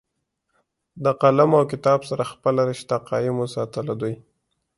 د قلم او کتاب سره خپله رشته قائم اوساتله دوي